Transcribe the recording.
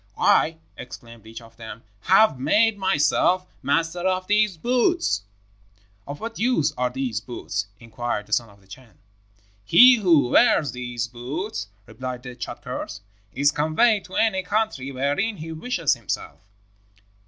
"'I,' exclaimed each of them, 'have made myself master of these boots.' "'Of what use are these boots?' inquired the son of the Chan. "'He who wears these boots,' replied the Tschadkurrs, 'is conveyed to any country wherein he wishes himself.'